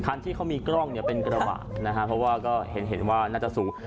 ทางที่เขามีกล้องเนี่ยเป็นกระหว่างนะคะเพราะว่าก็เห็นว่าน่าจะสูง